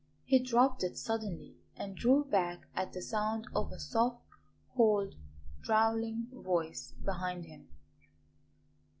He dropped it suddenly and drew back at the sound of a soft, cold, drawling voice behind him.